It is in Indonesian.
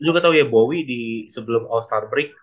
lu ketau ya bowie di sebelum all star break